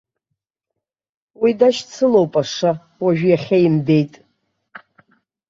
Уи дашьцылоуп аша, уажә иахьа имбеит.